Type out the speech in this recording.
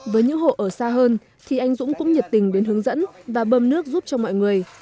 với những hộ ở xa hơn thì anh dũng cũng nhiệt tình đến hướng dẫn và bơm nước giúp cho mọi người